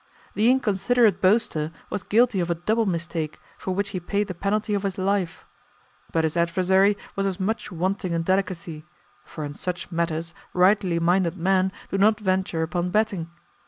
The inconsiderate boaster was guilty of a double mistake for which he paid the penalty of his life, but his adversary was as much wanting in delicacy, for in such matters rightly minded men do not venture upon betting.